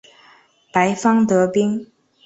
白方得兵。